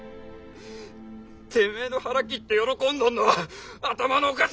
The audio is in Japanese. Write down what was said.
てめえの腹切って喜んどんのは頭のおかしいやつだけじゃ！